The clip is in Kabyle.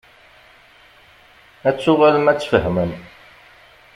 Ad tuɣalem ad tfehmem.